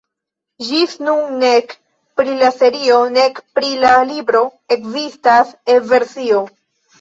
Ĝis nun nek pri la serio nek pri la libro ekzistas E-versio.